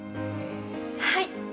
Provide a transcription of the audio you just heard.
はい。